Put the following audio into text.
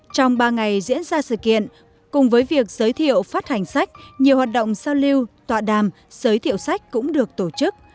trong ba ngày diễn ra sự kiện cùng với việc giới thiệu phát hành sách nhiều hoạt động giao lưu tọa đàm giới thiệu sách cũng được tổ chức